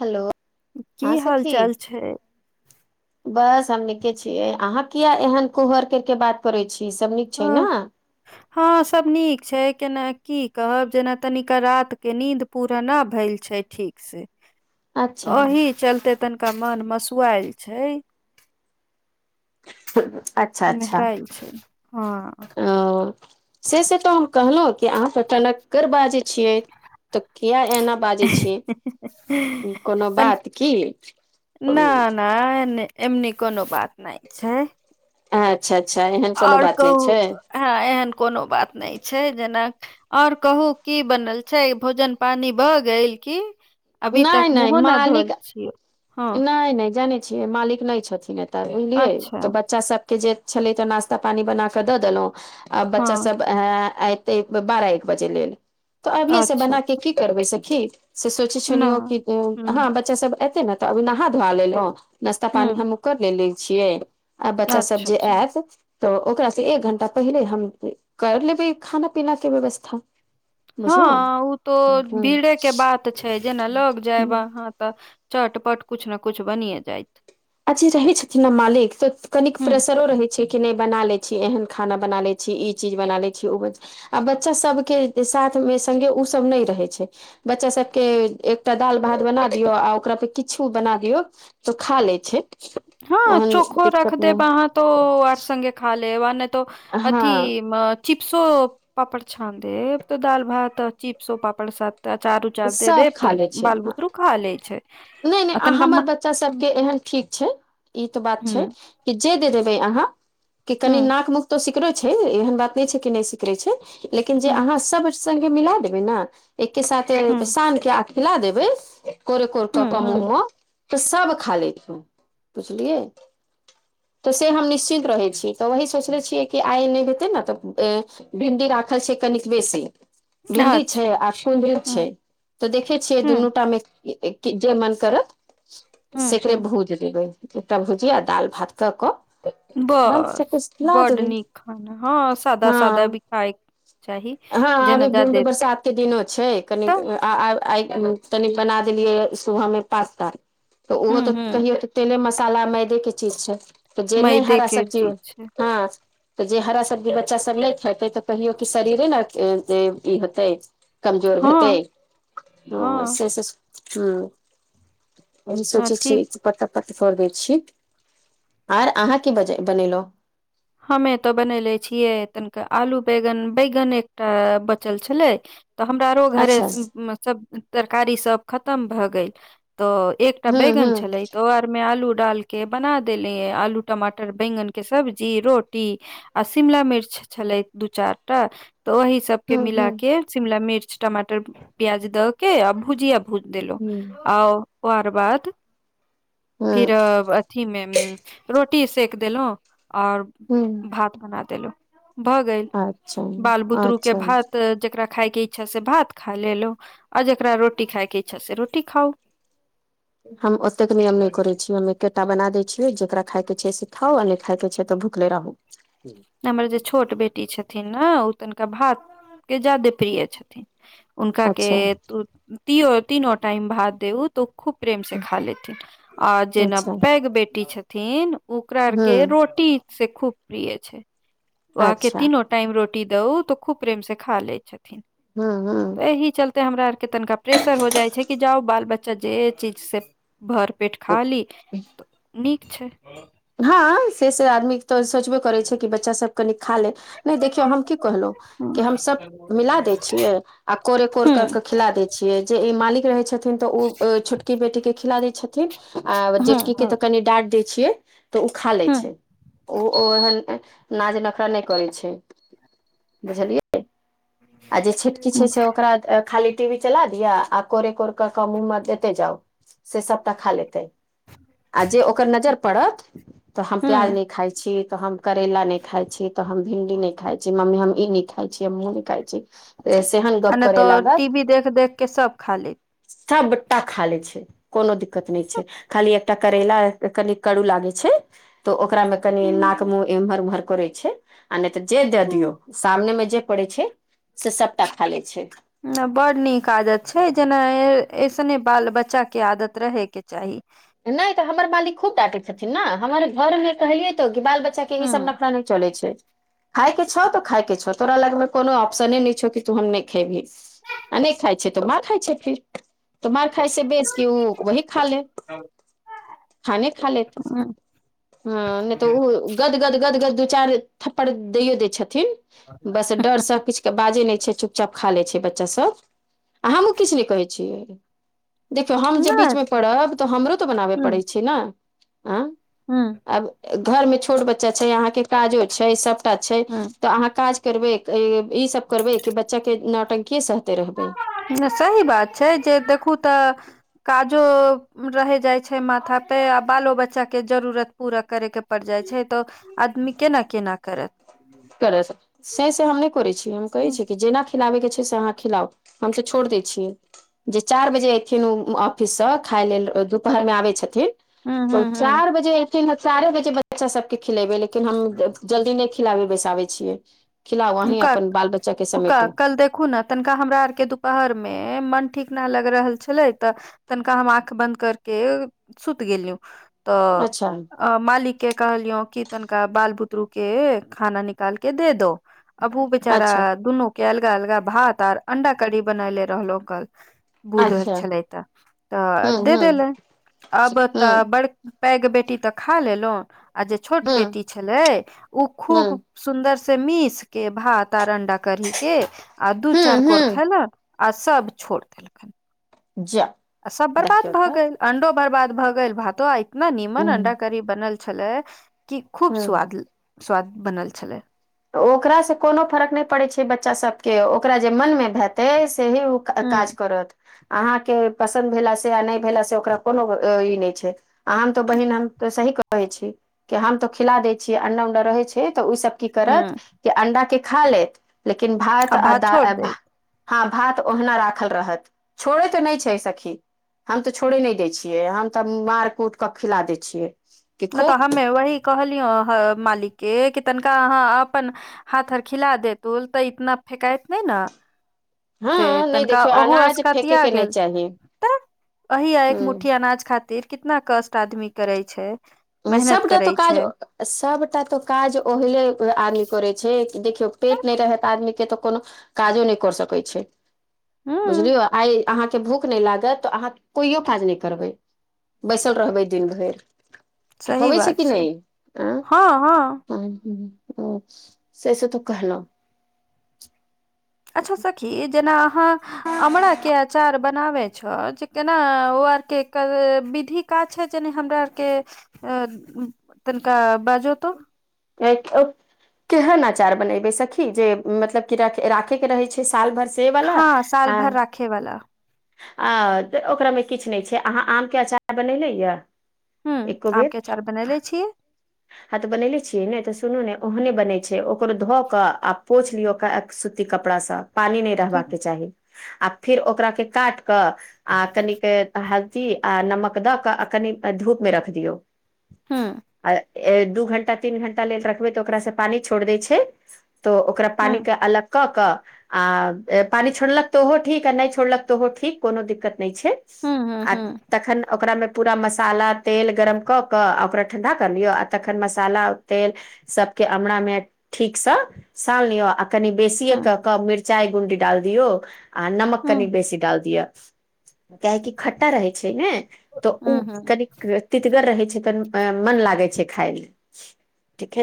Hello, की हँं हाल सखी। चाल छै बस हम नीके छियै, अहाँ किया एहन फूहर कर के बात करै छी सब नीक छै ने। ह हँ सब नीक छै, केना की कहब जेना तनिक रात के नींद। पुरा नाऽ भेल छै ठीक से। अच्छा तऽ एहि चलते तनिका मन मसुआएल छै। अच्छा मेहरायल छै, हँ। आ। से से तो हम कहलहुं कि अहाँ सब कन्गर बाजे छियै तऽ किया एना। बाजै छियै कोनो बात की। ह एमनी कोनो बात नहि छै। अच्छा अच्छा एहन कोनो आओर बात कहू नहि छै। हँ एहन कोनो बात नहि छै जेना। आओर कहू की बनल छै भोजन पानी भए गेल की। अभी तक नहि नहि मुहो न धोल मालिक छियै। हँ नहि नहि जानै छियै मालिक नहि छथिन एतऽ बुझलियै अच्छा तऽ बच्चा सब। के जे छलै तऽ नास्ता पानी बनााक द देलहुं आ हँ बच्चा सब। एते बारह एक बजे लेल तऽ अबिये से अच्छा, बनाक अच्छा, की करबै सखी। से सोचै ना, छलियौ कि हुँ, हँ बच्चा सब ऐते ने तऽ अभी नहा धोआ लेलहु। नाश्ता पानी हुँ, हमहु कर ले छियै आब बच्चा सब अच्छा, जे अच्छा। आयत। तऽ ओकरासँ एक घण्टा पहिले हम कर लेबै खाना पीनाके व्यवस्था। हँ बुझलहु ओ तो ह भीड़े के बात छै जेना लग ह जायब अहाँ तऽ चटपट कछ ने कुछ बनिए जायइत। आजी रहै छथिन ने मालिक त कनिक हुँ, प्रेशरो रहै नहि बना लै छी एहन खाना बना लै छी ई चीज बना लै छी ओ आ बच्चा सबके साथ मे सगे ओ सब नहि रहै छै। बच्चा सबके एकटा दाल भात बना दियौ आ ओकरा पे किछु बना दियौ तो खा लेत। छि [unintelligible] ह चोखो रख देब आहाँ। त आरसगे खा ले आ नहि त अथी। हँ चिप्सो पापड़ छान दे तऽ दाल भात चिप्सो पापड़ सा तऽ अचार उचार दे सब देब खा तऽ लै बाल छै बुदुरु खा लै छैय। नहि नहि अहाँ हमर बच्चा सबके एहन ठीक छैय इ तऽ बात छैय। हुँ, कि जे दे देबे अहाँ क कनि हुँ, नाक मुक तो सिकरै छैय एहन बात नहि छैय नहि सिकरै छैय लेकिन जे हुँ, अहाँ सब संगे ग मिला देबै ने। एके साथे हुँ, सान के आ खिला देबै कोरे कोर क हुँ, क मुह हुँ, म। तऽ सब खा लेत बुझलियै। तऽ से हम निश्चित रहै छिय तऽ वही सोचले छियै कि आइ नहि हेतै ने तऽ भिंडी राखल छैय कनिक बेसी। भिंडी अच्छा, छैय आ सुन्दू हुँ, छैय तऽ देखे छियै हुँ, दुनूटा मे जे मन करत हुँ, हुँ। सेकरे भूज देबै एकटा भुजिया आ दालि भात ककऽ। बस बड नीक खाना ह साद साद अभी खाय चाही ह जेना अभी जादे बरसात के दिनो छैय तऽ कनिक। आ आ तनि बना देलियै सुबह मे पास्ता तऽ ओहो हूँ तऽ हूँ कहियो तेले मसाला मैदे के चीज छैय त जे नहि मैदे हरा के सब्जी चीज छै ह। तऽ जे हरा सब्जी बच्चा सब नहि खेतै तऽ कहियो क शरीरे ने इ होेतै। कमजोर भतै हँ हँ ह हम न सोचै ठीक छि। पत्ता पत्ति कोड़ दै छि आर अहाँ कि बज बनेलहुं। हमे तऽ बनले छियै तनिके आलू बैगन बैगन एकटा बचल छलै। तऽ हमरा आरो घरे अच्छा सब तरकारी सब खतम भऽ गेल तऽ एकटा हूँ बैंगन हूँ छले तऽ ओ आर में आलू डाल के बना देलिय आलू टमाटर बैंगन के सब्जी। रोटी आ शिमिला मिर्च छलै दू चार टा त ओहि सब। सब के हूँ मिला हूँ के शिमला मिर्च टमाटर प्याज द के आ भुजिया। भूज देलो हूँ आ ओकर बाद फिर। हूँ अथी मे रोटी सेक देलहुँ आओर। हू। भात बना देलहुँ अच्छा बाल बुदुरु के अच्छा भात जकरा। खाय के इच्छा से भात खाय लेलो आ जकरा रोटी खाय के इच्छा से रोटी खाउ। हम ओतेक नियम नहि करै छिय हम। एकेटा बना देय छियै जेकरा खाय के छैय से खाउ आ नहि खाय के छैय तऽ भूखले रहू। हमर जे छोट बेटी छथिन ने ओ तनिका भात के ज्यादे प्रिय छथिन। हुनका के अच्छा तीनो टाइम भात देउ। तऽ ओ खूब प्रेम से खा लेथिन आ जेना अच्छा पैघ बेटी छथिन। ओकरा आर के हूँ रोटी से खूब प्रिय छैय। ओ आके अच्छा तीनो टाइम रोटी दऊ तो खूब प्रेम से खा लै छथिन। हँ हँ। तऽ एहि चलते हमरा आरके तनिका प्रेशर हो जाइ छैय कि जाउ बाल बच्चा जे चीज से। भर पेट खा ली तऽ नीक छैय। ह से से आदमी तऽ सोचब। करै छैय कि बच्चा सब कनि खा ले नहि देखियौ हम कि कहलहु कि हूँ हम सभ। मिला दै छियै। आ कोरे कोड़ करि हूँ कऽ खिला दैत छियै जे इ मालिक रहैत छथिन तऽ ओ छोटकी बेटीकेँ खिला दैत छथिन। आ हूँ जेटकी के हूँ तऽ कनि डाँट दै छियै तऽ ओ खा लै हूँ छैय। ओ ओहन नाज नखरा नहि करै छैय बुझलियै। आ जे छिटकी हूँ छैय से ओकरा खाली टीवी चला दिया आ कोरे कोर। कम उ मल तऽ जाउ से सभटा खा लेतै आ जे ओकर नजर पड़त तो हम प्याज हूँ नहि खाय छी तो हम करेला न नहि खाय छी तो हम भिंडी नहि खाय छी मम्मी हम ई नहि खाय खाइ छी अ मुनी खााय छी त ऐसे ह आ नहि तो टी वी देख देख के सब खा ले सबटा खाले छै कोनो दिक्कत नहि छै खाली एकटा करैला कनि करू लागै छै। तऽ ओकरामे कनि नाक हूँ मुँह एम्हर उम्हर करै छै आ नहि तऽ जे द दियौ हूँ सामने मे जे पड़े छै से सबटा खा ले छै। बड नीक आदत छै जेना ऐसने बाल बच्चाके आदत रहेके चाही नहि तऽ हमर मालिक खूब टाटैत छथिन ने हमर घर मे कहलियै तो क बाल बच्चा के ई हूँ सब न चल छै खााय के छौ तो खााय के छौ तोरा लगमे कोनो ऑप्शने न छौ कि तू हम नहि खेबही आ नहि खाइ छै तो मार खाइ छै फिर तो मार खााय से बेच के ओ वही खा ले खाने खा लेत हूँ हँ नहि तऽ ओ गदगद गदगद दू चार थप्पड़ दैयो दै छथिन बस डरसँ किछु के बाजे नहि छै चुपचाप खा ले छै बच्चा सब आ हमहुँ किछु नहि कहै छियै देखियौ हम जे नहि बीचमे पड़ब तऽ हमरो तऽ बनाबय पड़ैत छै ने आँ हँ। आब घर मे छोट बच्चा छै अहाँके काजो छै सभटा छै हूँ तऽ अहाँ काज करबे ई सब करबे कि बच्चा के नाटंक सहते रहबै सही बात छै जे देखू तऽ काजो रहे जाय छै माथा पे आ बालो बच्चा के जरूरत पूरा करे के पड़ जाय छै तऽ आदमी केना केना करत करै से से हम नहि करैत छी हम कहैत हूं छी कि जेना खिलाबैके छै से अहाँ खिलाउ हम तऽ छोड़ि दै छियै जे चारि बजे ऐथिन उ ऑफिस से खााय लेल दुपहर मे आबे हूं छथिन हूं चार बजे एथिन चार बजे बच्चा सबके खिलेबै लेकिन हम जल्दी नहि खिलाबी बैसाबै छियै खिलाउ उ अहीं क अपन बाल बच्चा के उका समेटू कल देखू ने तनिका हमरा आरके दुपहरमे मन ठीक नहि लागि रहल छलै तऽ तनिका हम आँख बन्द करके सुति गेलिय तऽ अच्छा अ मालिक के कहलियो की तनिका बाल बुतरु के खाना निकाल के दे दो अब ओ बेचारा अच्छा दुनू के अलगा अलगा भात आर अंडा की बनले रहलो कल बूध अच्छा छलै तऽ तऽ हूँ दे हूँ देलै आब तऽ हूँ बड़ पैघ बेटी तऽ खा लेलहुँ आ जे छोट हूँ बेटी छलै ओ खूब हूँ सुन्दर से मिस के भात आ अंडा करी के आ दू हूँ चारि कोर हूँ खेल आ सब छोड़ देलखिन जा। आ सब बर्बाद देखियौ भए तऽ गेल अंडो बर्बाद भए गेल भातो आ इतना नीमन हूँ अंडा करी बनल छले कि खूब हूँ स्वाद स्वाद बनल छले तऽ ओकरासँ कोनो फर्क नहि पड़ैत छै बच्चासभके ओकरा जे मनमे भेतै सेहे ओ ह काज करत अहाँके पसन्द भेलास से आ नहि भेलास से ओकरा कोनो ई नहि छै आ हम तऽ बहिन हम तऽ सही कहै छी। कि हम तो खिला दै छियै अंडा उंडा रहै छै तऽ ओसभ की करत ह कि अंडा के खा लेत लेकिन भात आ दा हँ भात ओहिना राखल रहत छोड़ैत त नहि छै सखी हम तऽ छोड़े नहि दै छियै हम तऽ मार कूट क खिला दै छियै कि नहि खो तऽ हमे वही कहलियौ ह मालिक के कि तनिका अहाँ अपन हाथ स खिला दे तो तऽ इतना फेकइत नहि ने। हँ से नहि तनिका देखियौ ओहु अनाज फेके असकातिया के नहि गेल चाही तऽ। अही एक ह मुठ्ठी अनाज खातिर कितना कष्ट आदमी करे छै। मेहनत सबटा तऽ करै काज। छै सभटा तऽ काज ओहिले आदमी करैत छै देखियौ पेट नहि रहैत आदमीके तऽ कोनो। काजो नहि कर सकैत छै हू बुझलियो आइ। अहाँके भूख नहि लागत तऽ अहाँ कोइयो काज नहि करबै बैसल रहबै दिन भरि। सही होै छै बात कि नहि आ। हँ हँ ओ से से तऽ कहल। अच्छा सखी जेना अहाँ। अमरा के अचार बनाब छ जे केना ओ आरके विधि। का छै जेनि हमरा आरके अ तनिका बजतो। [unintelligible] केहन अचार बनेबे सखी जे मतलब की र राखे के रहे छै साल भर से। सेवला हँ साल आ। भर राखे वाला आ तऽ ओकरामे किछु नहि छै अहाँ आमके अचार बननेे यए। हूं, एको आम के अचार बनले छी। ह तऽ बनेेले छियै ने, तऽ सुनू ने ओहने बनेै छै ओकरो धो कऽ आ पोछि लियो। सूती कपड़ासँ पानी नहि ठीक रहबाक के चाही, आ फिर ओकरा के काट कऽ। आ कनिक हल्दी आ नमक दऽ कऽ, आ कनि धूप में रख दियौ। हँ। आ दू घंटा-तीन घंटा लेल रखबे तऽ ओकरा से पानी छोड़ दय छै तो। ओकरा ह ह पानी के अलग। कऽ कऽ आ पानी छोड़लक तऽ ओहो ठीक आ नहि छोड़लक तऽ ओहो ठीक कोनो दिक्कत नहि छै। ह आ ह तखन ओकरा में पूरा मसाला तेल गरम कऽ क ओकरा ठंडा। त तखन मसाला औ तेल सबके अमरा में ठीक सँ सान लियो अ। कनि ह बेसीेये कऽ कऽ मिरचाई गुंडी डाल दियऔ आ नमक ह कनि ह बेसी डाल दिय। काहेकि खट्टा रहै छै ने तऽ ऊ कनीक। तितगर रहै छै त मन लागै छै खाय ले, ठीके।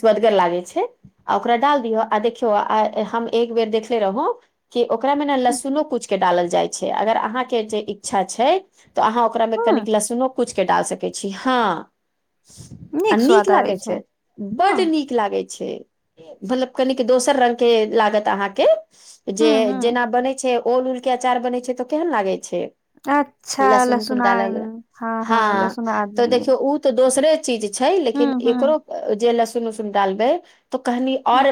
स्वदगर लागे छै, आ ओकरा डाल दियऔ आ देखियौ आ हम एक बेर देखले रहौं। कि ओकरा में ने लहसुनो कूच कऽ डालल जाइत छै, अगर अहाँके जे इच्छा छै। तऽ अहाँ ओकरा में ह कनिक लहसुनो कुचके डाल सकै छी हँ। आ नीक लागै छै, हँ बड्ड नीक। लागै छै, मतलब कनीक दोसर रंग के लागत अहाँके। ह जे ह जेना बनै छै ओल-उल के अचार बनै छै तऽ केहन लागै छै। अच्छा लसुन लहसुनाइन डालल हँ लहसुन तऽ आदमी देखियौ उ। तऽ दोसरे चीज छै, ह लेकिन ह एकरो जे लहसुन- उसुन डालबै। तो कहनी हँ और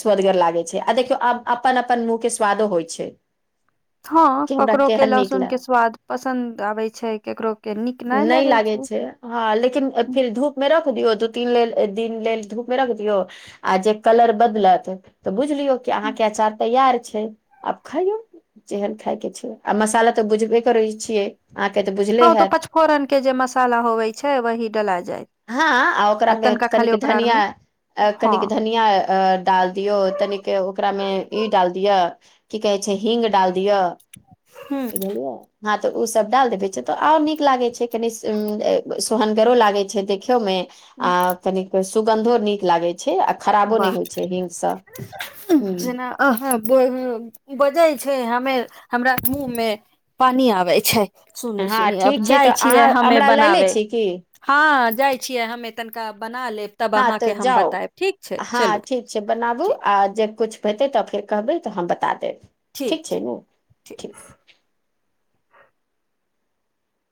स्वदगर लागे छै, आ देखियौ आब अपन-अपन मुँह के स्वादो होइ छै। हँ कि हमरा ककरोके केहन नीक लहसुनके लाग स्वाद पसन्द आबै छै, ककरोके नीक नहि लगैत छै। हँ लेकिन फिर धूप में रख दियौ, दू-तीन लेल दिन लेल धूप में रख दियऔ। आ जे कलर बदलत तऽ बुझलियौ कि अहाँके अचार तैयार छै। आब खाइयों जेहन खायके छै, आ मसाला तऽ बुझबे करै छियै। अहाँके तऽ बुझले हैत। फोरन के जे मसाला होवे छै, वही डला जायत। हँ, आ ओकरा में कनिक मे धनियां, हँ कनिक धनि। या अ डाल दियऔ, तनिक ओकरामे ई डाल दियऽ। की कहै छै, हींग डाल दियऽ बुझलियै। हँ तऽ ओ सब डाल देबे छै, तो आर नीक लागे छै कनी सोहनगरो लागे छै। छे, देखियो में आ कनिक सुगंधो नीक लागे छै। छै, आ खराबो वाह नहि होइ छै हिगसँ हूं। अ हँ बजै छै, हमे हमरा मुँह मे पानि आबै छै हँ सुनि-सुनि अब ठीक छै जाइ तऽ छियै अहाँ हमें हमरा लए लै बनाबै। छी की हँ जाइ छियै हम तनिका बना लेब तब हँ अहाँके तऽ हम जाउ बतायब ठीक छै हँ चलू। ठीक बनाबू ठीक आ जे किछु हेतै तऽ फेर कहबै तऽ हम बता देब ठीक छै ने। ठीक।